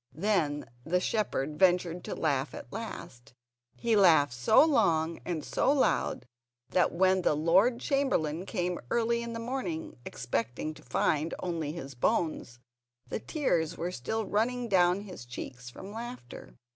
Then the shepherd ventured to laugh at last; and he laughed so long and so loud that when the Lord Chamberlain came early in the morning, expecting to find only his bones, the tears were still running down his cheeks from laughter.